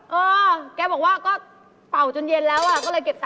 เออแกบอกว่าก็เป่าจนเย็นแล้วอ่ะก็เลยเก็บตา